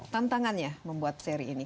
tantangannya membuat seri ini